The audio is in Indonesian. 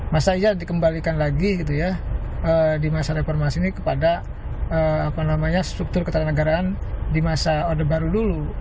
masa iya dikembalikan lagi gitu ya di masa reformasi ini kepada struktur ketatanegaraan di masa orde baru dulu